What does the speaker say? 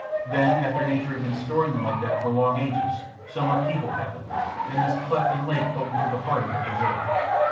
Then after Nature had been storing them like that for long ages some upheaval happened, and this cleft and lake opened through the heart of the preserve.